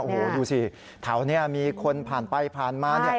โอ้โหดูสิแถวนี้มีคนผ่านไปผ่านมา